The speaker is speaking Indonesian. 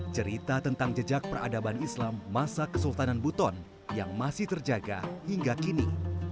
cerita tentang jejak peradaban islam masa kesultanan buton yang masih terjaga hingga kini